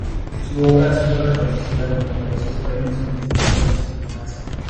Su obra ha sido reconocida con numerosos premios en distintas disciplinas.